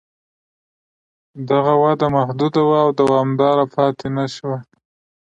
دغه وده محدوده وه او دوامداره پاتې نه شوه.